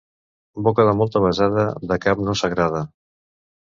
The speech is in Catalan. Boca de molta besada, de cap no s'agrada.